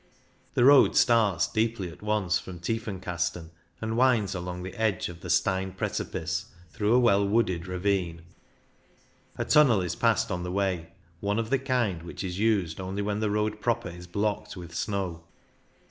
The road starts deeply at once from Tiefenkasten, and winds along the edge of the Stein precipice, through a well wooded ravine. A tunnel is passed on the way — one of the kind which is used only when the road proper is blocked with snow.